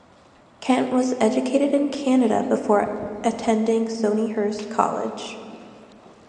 Kent was educated in Canada before attending Stonyhurst College.